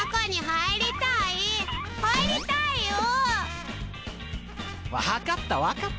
入りたいよ！